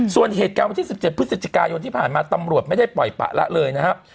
ส่วนเหตุการณ์วันที่๑๗พฤศจิกายนที่ผ่านมาตำรวจไม่ได้ปล่อยปะละเลยนะครับ